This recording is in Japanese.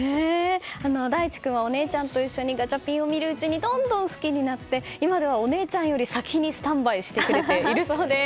大地君はお姉ちゃんと一緒にガチャピンを見るうちにどんどん好きになって今ではお姉ちゃんより先にスタンバイしてくれているそうです。